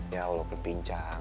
ya allah kepincang